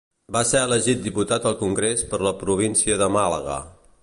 Va ser elegit diputat al Congrés per la província de Màlaga.